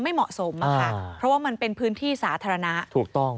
ไม่เหมาะสมอะค่ะเพราะว่ามันเป็นพื้นที่สาธารณะถูกต้อง